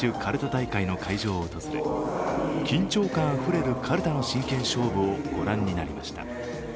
大会の会場を訪れ、緊張感あふれるかるたの真剣勝負を御覧になりました。